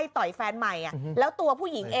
ตอนต่อไป